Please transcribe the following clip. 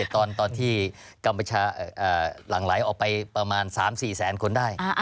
ตอนที่กัมพชาหลั่งไหลออกไปประมาณ๓๔แสนคนได้